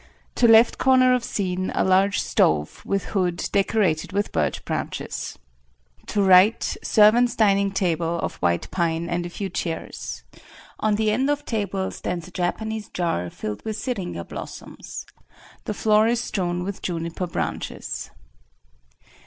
To left corner of scene a large stove with hood decorated with birch branches. To right, servants' dining table of white pine and a few chairs. On the end of table stands a Japanese jar filled with syringa blossoms. The floor is strewn with juniper branches.